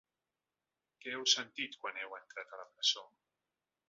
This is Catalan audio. Què heu sentit quan heu entrat a la presó?